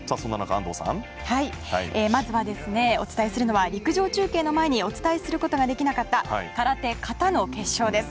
まず陸上中継の前にお伝えすることができなかった空手形の決勝です。